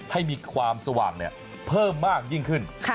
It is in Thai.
ให้มีความสว่างเพิ่มมากยิ่งขึ้น